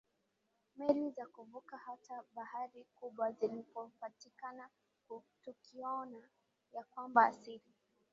meli za kuvuka hata bahari kubwa zilipopatikana Tukiona ya kwamba asili